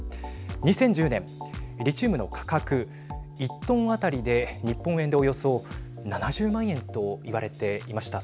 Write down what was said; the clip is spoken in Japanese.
２０１０年リチウムの価格１トン当たりで日本円で、およそ７０万円といわれていました。